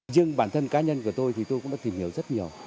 riêng bản thân cá nhân của tôi thì tôi cũng đã tìm hiểu rất nhiều